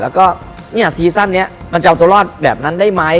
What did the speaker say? แล้วก็เนี่ยซีซั่นนี้มันจะเอาตัวรอดแบบนั้นได้ไหม